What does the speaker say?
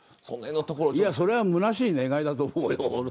それはむなしい願いだと思うよ。